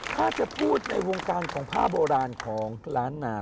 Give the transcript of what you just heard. ถ้าจะพูดในวงการของผ้าโบราณของล้านนา